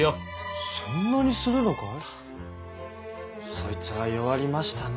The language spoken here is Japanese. そいつは弱りましたね。